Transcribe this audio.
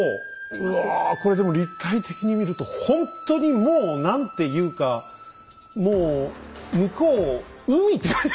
うわこれでも立体的に見るとほんとにもう何ていうかもう向こう海って感じ。